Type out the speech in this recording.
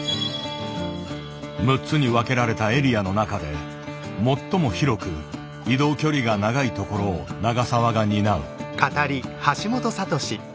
６つに分けられたエリアの中で最も広く移動距離が長い所を永澤が担う。